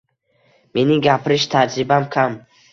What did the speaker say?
Mening gapirish tajribam kam.